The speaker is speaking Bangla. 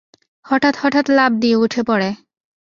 হঠাৎ হঠাৎ লাফ দিয়ে উঠে পড়ে।